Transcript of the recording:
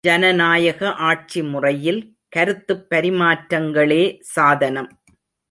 ஜனநாயக ஆட்சி முறையில் கருத்துப் பரிமாற்றங்களே சாதனம்!